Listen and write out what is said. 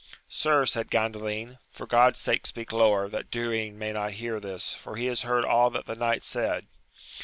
Sir, said Gandalin, for God's sake speak lower, that Durin may not hear this, for he has heard all that the knight said.